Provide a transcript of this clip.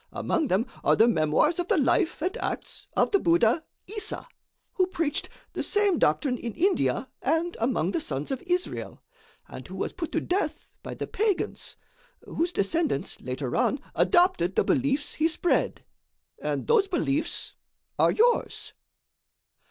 Among them are the memoirs of the life and acts of the Buddha Issa, who preached the same doctrine in India and among the sons of Israel, and who was put to death by the Pagans, whose descendants, later on, adopted the beliefs he spread, and those beliefs are yours.